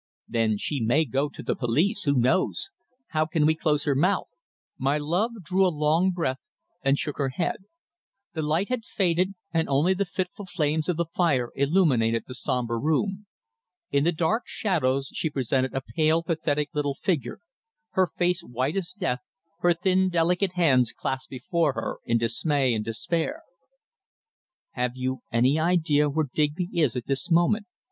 "Then she may go to the police who knows! How can we close her mouth?" My love drew a long breath and shook her head. The light had faded, and only the fitful flames of the fire illuminated the sombre room. In the dark shadows she presented a pale, pathetic little figure, her face white as death, her thin, delicate hands clasped before her in dismay and despair. "Have you any idea where Digby is at this moment?"